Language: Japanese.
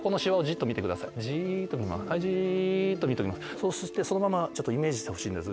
そしてそのままちょっとイメージしてほしいんですが。